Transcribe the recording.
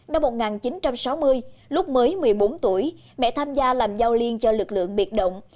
năm một nghìn chín trăm sáu mươi lúc mới một mươi bốn tuổi mẹ tham gia làm giao liên cho lực lượng biệt động